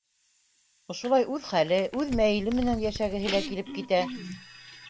Ошолай үҙ хәле, үҙ мәйеле менән йәшәгеһе лә килеп китә.